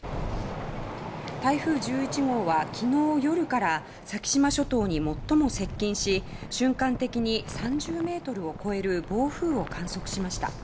台風１１号は、昨日夜から先島諸島に最も接近し瞬間的に３０メートルを超える暴風を観測しました。